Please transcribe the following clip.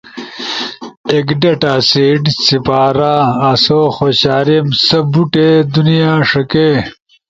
ایک ڈیٹا سیٹ سپارا آسو خوشاریم سا بوٹے دنیا ݜکے۔